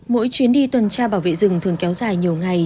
mỗi chuyến đi tuần tra bảo vệ rừng thường kéo dài nhiều ngày